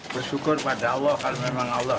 bersyukur pada allah karena memang allah